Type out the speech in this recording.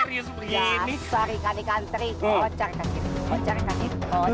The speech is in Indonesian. iya orang serius begini